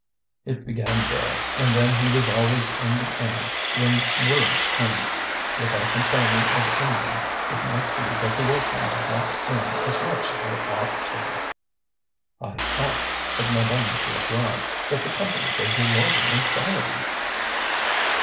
It began there, and then he was always in the inn when worries came. Without complaining of any one it might be that the workmen did not earn as much as they ought to. "I thought," said Madame Grégoire, "that the Company gave you lodging and firing?"